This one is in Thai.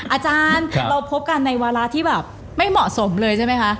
อาจารย์เราพบกันในวาระที่แบบไม่เหมาะสมเลยใช่ไหมคะ